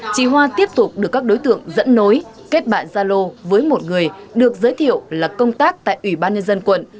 chị hoa tiếp tục được các đối tượng dẫn nối kết bạn gia lô với một người được giới thiệu là công tác tại ủy ban nhân dân quận